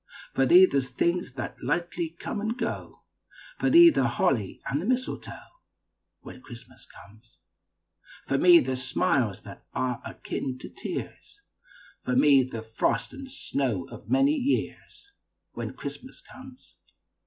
For thee, the things that lightly come and go, For thee, the holly and the mistletoe, When Christmas comes. For me, the smiles that are akin to tears, For me, the frost and snows of many years, When Christmas comes.